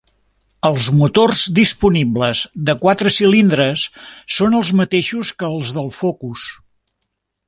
Els motors disponibles de quatre cilindres són els mateixos que els del Focus.